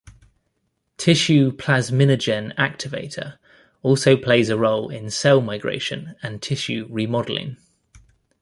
Tissue plasminogen activator also plays a role in cell migration and tissue remodeling.